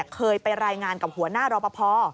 เคยไปรายงานกับหัวหน้ารอปภ